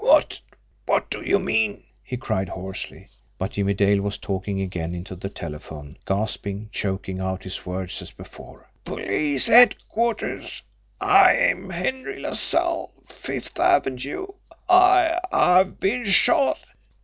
"What what do you mean?" he cried hoarsely. But Jimmie Dale was talking again into the telephone gasping, choking out his words as before: "Police headquarters? I'm Henry LaSalle. Fifth Avenue. I I've been shot.